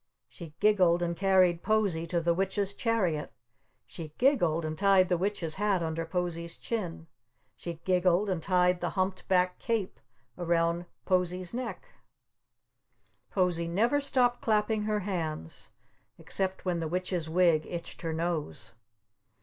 She giggled and carried Posie to the Witch's chariot. She giggled and tied the Witch's hat under Posie's chin. She giggled and tied the humped back cape around Posie's neck. Posie never stopped clapping her hands except when the Witch's Wig itched her nose.